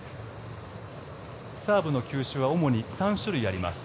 サーブの球種は主に３種類あります。